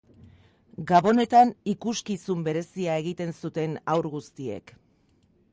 Gabonetan ikuskizun berezia egiten zuten haur guztiek.